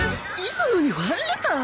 磯野にファンレター？